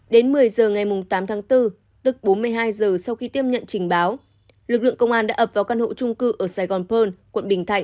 đến một mươi giờ ngày tám tháng bốn tức bốn mươi hai giờ sau khi tiếp nhận trình báo lực lượng công an đã ập vào căn hộ trung cư ở saigon pearl quận bình thạnh